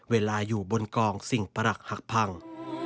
อยู่บนกองสิ่งปรักหักพัง